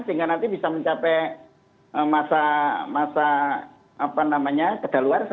sehingga nanti bisa mencapai masa apa namanya kedaluar